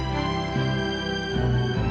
terbuka l eliadite